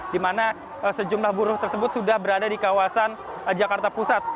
di mana sejumlah buruh tersebut sudah berada di kawasan jakarta pusat